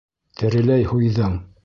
Тереләй һуйҙың...